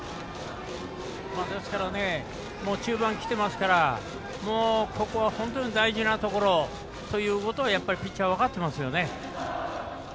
ですから、中盤きてますからもうここは本当に大事なところということをピッチャーは分かっていますよね。